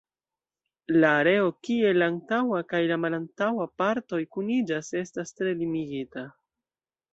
La areo kie la antaŭa kaj la malantaŭa partoj kuniĝas estas tre limigita.